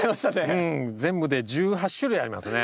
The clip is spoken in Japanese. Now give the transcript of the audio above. うん全部で１８種類ありますね。